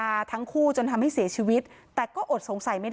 นี่ค่ะคือที่นี้ตัวใยทวดที่ทำให้สามีเธอเสียชีวิตรึเปล่าแล้วก็ไปพบศพในคลองหลังบ้าน